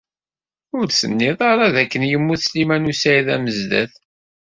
Ur d-tennid ara dakken yemmut Sliman u Saɛid Amezdat?